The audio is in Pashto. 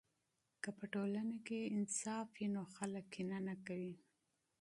که په ټولنه کې انصاف وي نو خلک کینه نه کوي.